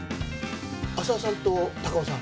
浅輪さんと高尾さん